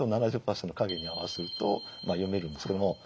７０％の影に合わせると読めるんですけども。